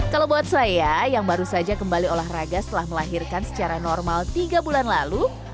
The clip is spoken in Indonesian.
kalau buat saya yang baru saja kembali olahraga setelah melahirkan secara normal tiga bulan lalu